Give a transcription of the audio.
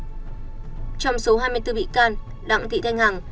trong số hai mươi bốn bị can đặng thị thanh hằng